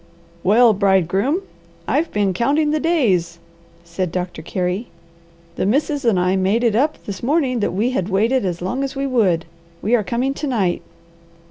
"Well, bridegroom! I've been counting the days!" said Doctor Carey. "The Missus and I made it up this morning that we had waited as long as we would. We are coming to night.